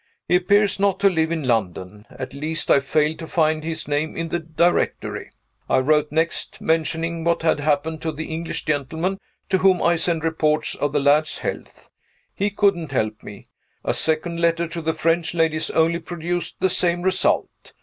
He appears not to live in London. At least I failed to find his name in the Directory. I wrote next, mentioning what had happened, to the English gentleman to whom I send reports of the lad's health. He couldn't help me. A second letter to the French ladies only produced the same result.